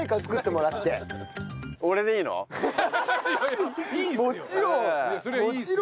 もちろんよ。